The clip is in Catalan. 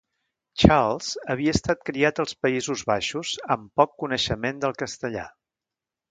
Charles havia estat criat als Països Baixos amb poc coneixement del castellà.